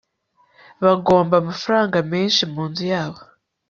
bagomba amafaranga menshi munzu yabo